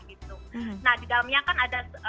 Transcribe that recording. di dalamnya kan ada